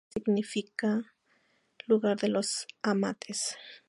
Su nombre significa "lugar de los amates".